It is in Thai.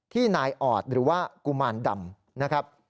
ที่นายออดหรือว่ากุมารดำ